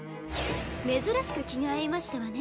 珍しく気が合いましたわね。